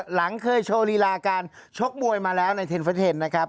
หลังเคยโชว์ลีลาการชกมวยมาแล้วในเทนเฟอร์เทนนะครับ